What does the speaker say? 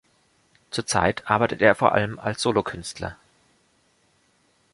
Zurzeit arbeitet er vor allem als Solokünstler.